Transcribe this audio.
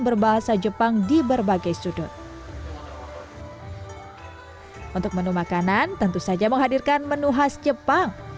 berbahasa jepang di berbagai sudut untuk menu makanan tentu saja menghadirkan menu khas jepang